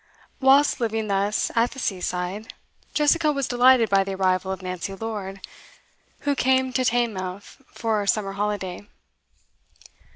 Whilst living thus at the seaside, Jessica was delighted by the arrival of Nancy Lord, who came to Teignmouth for a summer holiday.